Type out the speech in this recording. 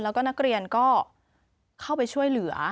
แล้วก็นักเรียนก็เข้าไปช่วยเหลือ